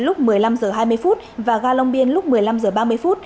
lúc một mươi năm h hai mươi và ga long biên lúc một mươi năm h ba mươi phút